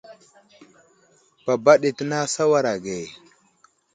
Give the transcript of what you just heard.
Baba ɗi tənay a sawaray age.